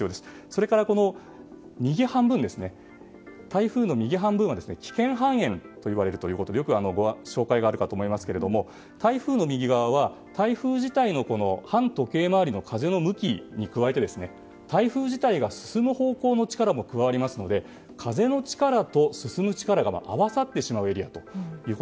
それから台風の右半分は危険半円といわれるということでよく紹介があるかと思いますが台風の右側は台風自体の反時計回りの風の向きに加えて台風自体が進む方向の力も加わりますので風の力と進む力が合わさってしまうエリア。